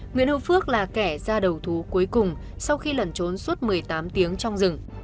nguyễn hương phước là kẻ ra đầu thú cuối cùng